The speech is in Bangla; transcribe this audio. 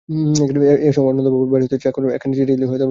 এমন সময়ে অন্নদাবাবুর বাড়ি হইতে চাকর একখানি চিঠি লইয়া রমেশের হাতে দিল।